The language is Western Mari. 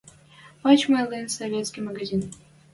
Пачмы лин советский магазин.